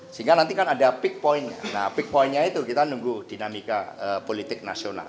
sehingga nanti kan ada big pointnya nah big pointnya itu kita nunggu dinamika politik nasional